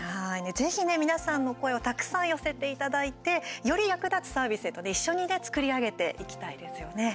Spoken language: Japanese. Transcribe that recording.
ぜひね、皆さんの声をたくさん寄せていただいてより役立つサービスへとね一緒に作り上げていきたいですよね。